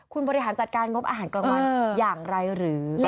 คุณบริหารจัดการงบอาหารกลางวันอย่างไรหรือ